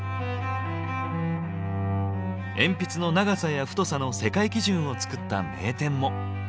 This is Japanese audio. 鉛筆の長さや太さの世界基準を作った名店も。